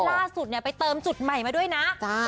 ไปฟังเสียงจ้า